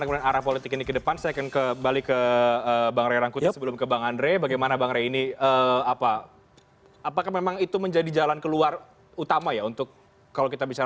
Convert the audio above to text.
kita harus break kita akan tanyakan